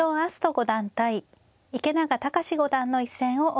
五段対池永天志五段の一戦をお送りします。